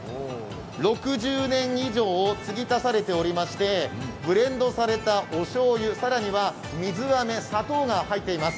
６０年以上、つぎ足されていましてブレンドされたおしょうゆ、更には水あめ、砂糖が入っています。